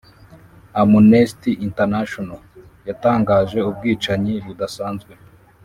amnesty international yatangaje ubwicanyi budasanzwe,